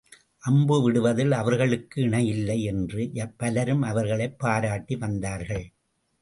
அம்பு விடுவதில் அவர்களுக்கு இணையில்லை என்று பலரும் அவர்களைப் பாராட்டி வந்தார்கள்.